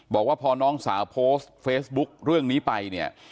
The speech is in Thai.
บอกว่าพอน้องสาวโพสต์เฟซบุ๊คเรื่องนี้ไปเนี่ย